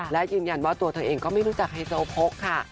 และยืนยันว่าตัวเธอเองก็ไม่รู้จักไฮโซโพกค่ะ